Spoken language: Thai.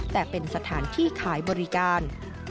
แต่เป็นสถานที่ขายบริการ